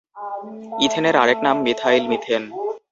ইথেনের আরেক নাম মিথাইল মিথেন।